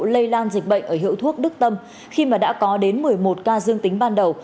lây lan dịch bệnh ở hiệu thuốc đức tâm khi mà đã có đến một mươi một ca dương tính ban đầu